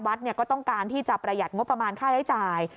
ก็ต้องการที่จะประหยัดงบประมาณค่าใช้จ่าย